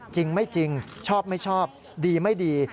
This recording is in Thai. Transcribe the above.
จริงไม่จริงชอบไม่ชอบดีไม่ดี